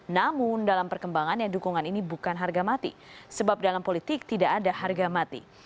namun dalam perkembangannya dukungan ini bukan harga mati sebab dalam politik tidak ada harga mati